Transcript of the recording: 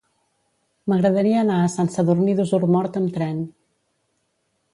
M'agradaria anar a Sant Sadurní d'Osormort amb tren.